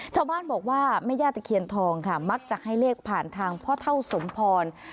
ชาวบ้านบอกว่าแม่ย่าตะเคียนทองค่ะมักจะให้เลขผ่านทางพ่อเท่าสมพร